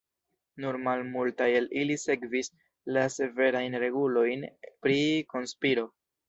Nur malmultaj el ili sekvis la severajn regulojn pri konspiro.